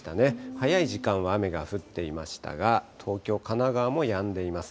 早い時間は雨が降っていましたが、東京、神奈川もやんでいます。